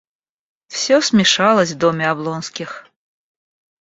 Всё смешалось в доме Облонских.